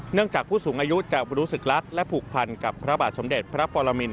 จากผู้สูงอายุจะรู้สึกรักและผูกพันกับพระบาทสมเด็จพระปรมิน